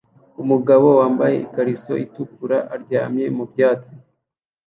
Umugabo wambaye ikariso itukura aryamye mu byatsi